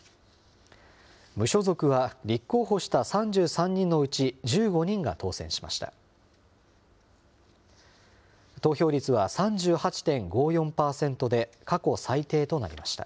無所属は立候補した３３人のうち１５人が当選しました。